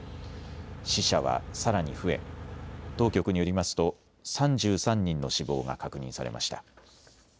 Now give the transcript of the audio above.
死者はさらに増え当局によりますと３３人の死亡が確認されました。